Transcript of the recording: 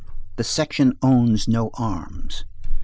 The section owns no arms.